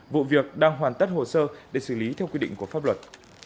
vụ việc đang hoàn tất hồ sơ để xử lý theo quy định của pháp luật